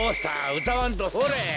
うたわんとほれ。